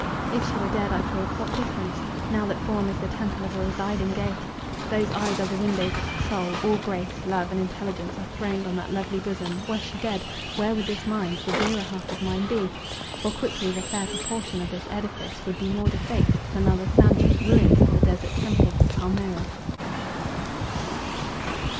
"If she were dead," I thought, "what difference? now that form is the temple of a residing deity; those eyes are the windows of her soul; all grace, love, and intelligence are throned on that lovely bosom—were she dead, where would this mind, the dearer half of mine, be? For quickly the fair proportion of this edifice would be more defaced, than are the sand choked ruins of the desert temples of Palmyra."